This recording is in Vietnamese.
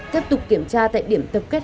tiếp tục kiểm tra tại điểm tập kết